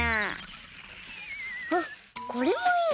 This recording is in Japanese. あっこれもいいね。